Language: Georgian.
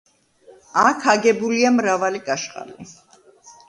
აქ აგებულია მრავალი კაშხალი.